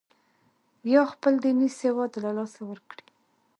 یا خپل دیني سواد له لاسه ورکړي.